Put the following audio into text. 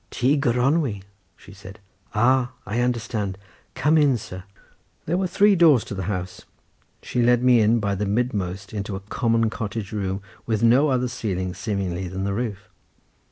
"Tŷ Gronwy," she said, "ah! I understand. Come in, sir." There were three doors to the house; she led me in by the midmost into a common cottage room, with no other ceiling, seemingly, than the roof.